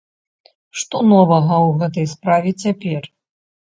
Што новага ў гэтай справе цяпер?